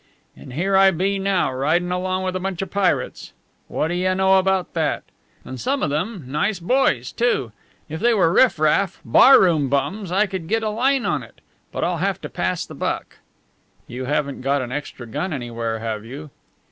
And here I be now, ridin' along with a bunch of pirates! Whata you know about that? And some of them nice boys, too. If they were riff raff, barroom bums, I could get a line on it. But I'll have to pass the buck." "You haven't got an extra gun anywhere, have you?"